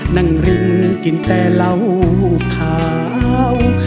นั่งริ้งกินแต่เหล้าขาว